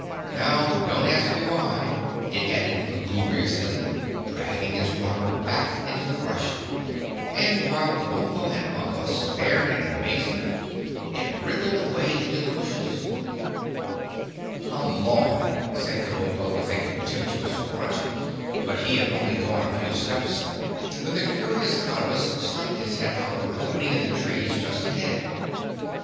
"Now, don't ask me why," it added lugubriously, dragging its rocker back into the brush, and while Kabumpo and Pompa stared in amazement it wriggled away into the bushes. "Come on," cried Kabumpo with a contemptuous grunt, but he had only gone a few steps when the Curious Cottabus stuck its head out of an opening in the trees just ahead.